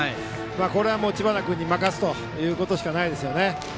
これは知花君に任すということしかないと思いますね。